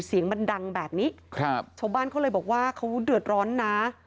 เสียงมันดังแบบนี้ครับชาวบ้านเขาเลยบอกว่าเขาเดือดร้อนนะ